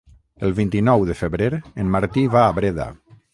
El vint-i-nou de febrer en Martí va a Breda.